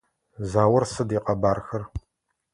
Заур сыд ыкъэбархэр?